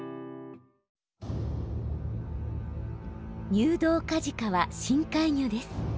ニュウドウカジカは深海魚です。